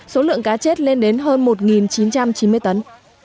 số lượng cá chết lên đến hơn một chín trăm chín mươi tấn